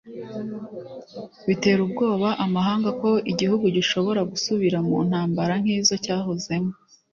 bitera ubwoba amahanga ko igihugu gishobora gusubira mu ntambara nk’izo cyahozemo